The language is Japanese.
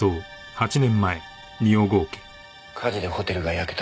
火事でホテルが焼けた